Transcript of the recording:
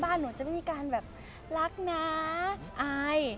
หนูจะไม่มีการแบบรักนะอาย